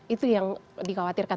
itu yang dikhawatirkan